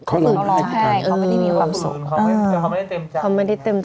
เขาลองให้ใช่เขาไม่ได้มีความสุขเขาไม่ได้เต็มจากเขาไม่ได้เต็มจาก